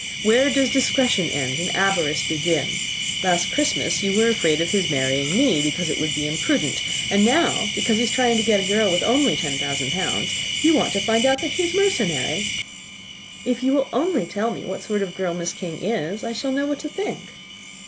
Where does discretion end, and avarice begin? Last Christmas you were afraid of his marrying me, because it would be imprudent; and now, because he is trying to get a girl with only ten thousand pounds, you want to find out that he is mercenary." "If you will only tell me what sort of girl Miss King is, I shall know what to think."